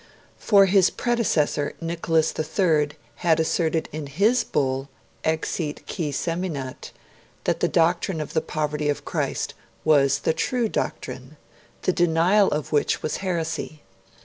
For his predecessor, Nicholas III, had asserted in his bull 'Exiit qui seminat' that the doctrine of the poverty of Christ was the true doctrine, the denial of which was heresy.